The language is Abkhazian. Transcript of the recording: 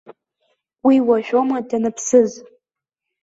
Уи уажәоума даныԥсыз?!